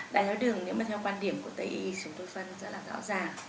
đáy tháo đường nếu mà theo quan điểm của tây y chúng tôi phân rất là rõ ràng